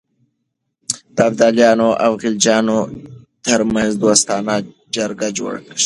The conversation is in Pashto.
د ابدالیانو او غلجیانو ترمنځ دوستانه جرګه جوړه شوه.